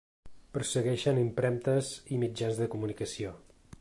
Persegueixen impremtes i mitjans de comunicació.